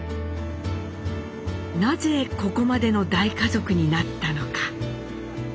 なぜここまでの大家族になったのか？